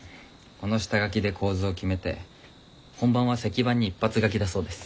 この下書きで構図を決めて本番は石版に一発描きだそうです。